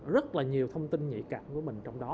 rất là nhiều thông tin nhạy cảm của mình trong đó